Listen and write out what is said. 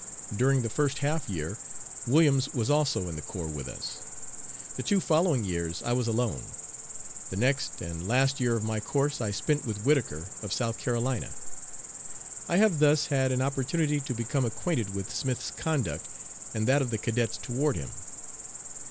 During the first half year Williams was also in the corps with us. The two following years I was alone. The next and last year of my course I spent with Whittaker, of South Carolina. I have thus had an opportunity to become acquainted with Smith's conduct and that of the cadets toward him.